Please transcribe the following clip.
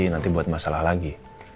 nanti buat masalah lagi